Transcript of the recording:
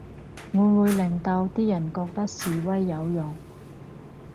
會唔會令到啲人覺得示威有用